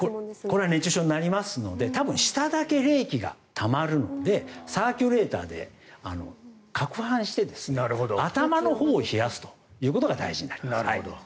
これは熱中症になりますので多分、下だけ冷気がたまるのでサーキュレーターでかくはんして頭のほうを冷やすということが大事になります。